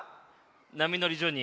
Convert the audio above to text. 「波のりジョニー」。